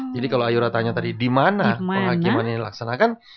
kalau ayora tanya tadi di mana penghakiman ini dilaksanakan